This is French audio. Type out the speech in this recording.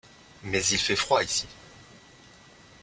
Mais il fait froid ici.